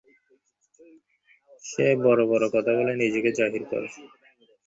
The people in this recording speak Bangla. সে বড় বড় কথা বলে নিজেকে জাহির করে।